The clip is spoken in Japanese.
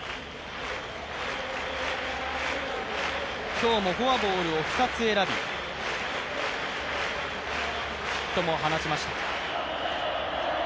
今日もフォアボールを２つ選び、ヒットも放ちました。